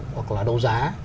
hoặc là đấu giá